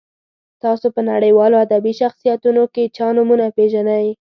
تاسو په نړیوالو ادبي شخصیتونو کې چا نومونه پیژنئ.